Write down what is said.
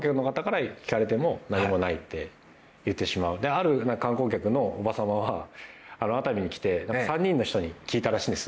ある観光客のおば様は熱海に来て３人の人に聞いたらしいんです。